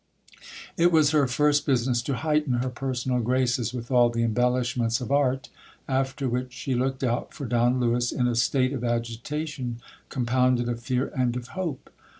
It was her first business to heighten her personal graces with all the embellish ments of art ; after which she looked out for Don Lewis, in a state of agitation, compounded of fear and of hope.